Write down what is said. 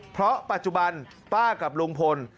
เพราะปัจจุบันป้ากับลุงพล